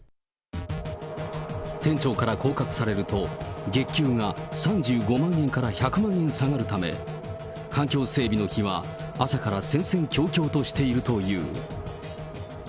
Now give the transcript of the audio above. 店長から降格されると、月給が３５万円から１００万円下がるため、環境整備の日は朝から戦々恐々としているという。